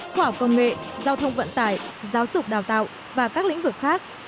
khoa học công nghệ giao thông vận tải giáo dục đào tạo và các lĩnh vực khác